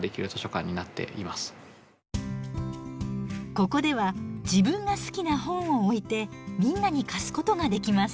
ここでは自分が好きな本を置いてみんなに貸すことができます。